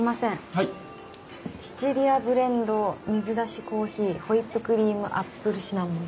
はいシチリアブレンド水出しコーヒーホイップクリームアップルシナモン